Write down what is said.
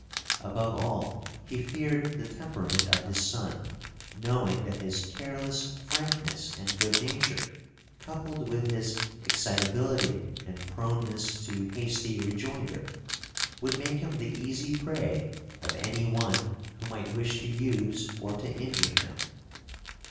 Above all, he feared the temperament of his son, knowing that his careless frankness and good nature, coupled with his excitability and proneness to hasty rejoinder, would make him the easy prey of any one who might wish to use or to injure him.